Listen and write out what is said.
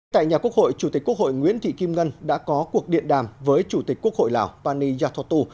tại nhà quốc hội chủ tịch quốc hội nguyễn thị kim ngân đã có cuộc điện đàm với chủ tịch quốc hội lào pani yathotu